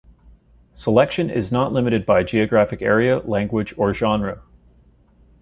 Selection is not limited by geographic area, language or genre.